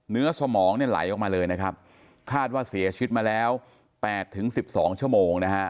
สมองเนี่ยไหลออกมาเลยนะครับคาดว่าเสียชีวิตมาแล้ว๘๑๒ชั่วโมงนะฮะ